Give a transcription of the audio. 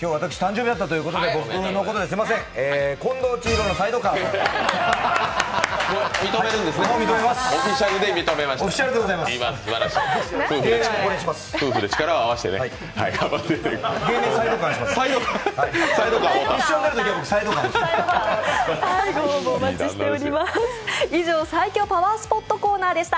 オフィシャルで認めました。